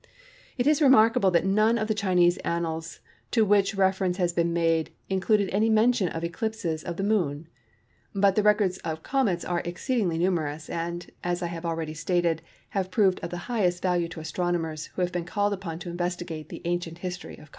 It is remarkable that none of the Chinese annals to which reference has been made include any mention of eclipses of the Moon; but the records of Comets are exceedingly numerous and, as I have already stated, have proved of the highest value to astronomers who have been called upon to investigate the ancient history of Comets.